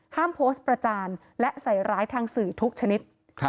โพสต์ประจานและใส่ร้ายทางสื่อทุกชนิด